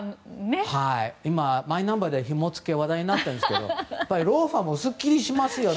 マイナンバーではひも付けが話題になってるんですがローファーもすっきりしますよね。